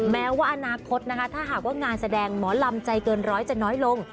แม้ว่าอนาคตนะคะถ้าหากว่างานแสดงหมอลำใจเกินร้อยจะน้อยลง